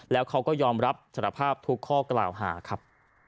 แล้วเขาก็ยอมรับสารภาพทุกข้อกล่าวหาครับ